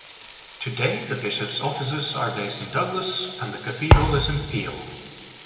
Today, the bishop's offices are based in Douglas and the cathedral is in Peel.